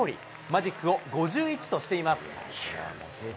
マジックを５１としています。